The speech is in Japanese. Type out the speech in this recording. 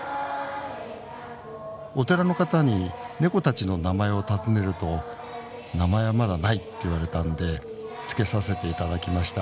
お寺の方にネコたちの名前を尋ねると名前はまだないって言われたんで付けさせていただきました。